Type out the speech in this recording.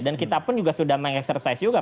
dan kita pun juga sudah mengeksersaiz juga